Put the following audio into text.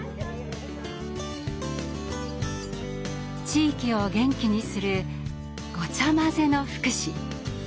地域を元気にするごちゃまぜの福祉。